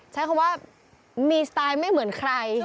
ใช้คำว่ามีสไตล์ไม่เหมือนใคร